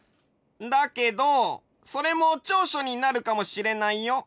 だけどそれも長所になるかもしれないよ。